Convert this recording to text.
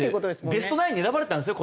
ベスト９に選ばれたんですよ